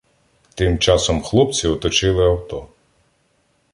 Тим часом хлопці оточили авто.